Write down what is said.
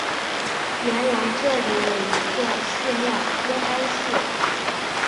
原来这里有一座寺庙天安寺。